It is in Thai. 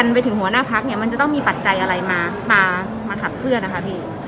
ไปถึงหัวหน้าพักเนี่ยมันจะต้องมีปัจจัยอะไรมาขับเคลื่อนนะคะพี่